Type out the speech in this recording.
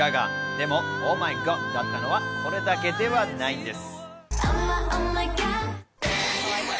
でもＯｈＭｙＧｏｄだったのは、これだけではないんです。